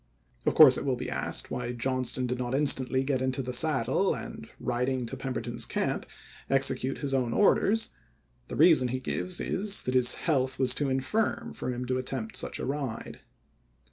Of course it will be asked why Johnston did not instantly get into the saddle and, riding to Pemberton's camp, execute his own orders; the reason he gives is, that his health was too infirm for him to attempt such a ride.